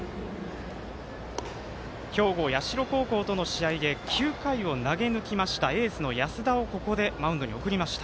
兵庫、社高校との試合で９回を投げぬきましたエースの安田をここでマウンドに送りました。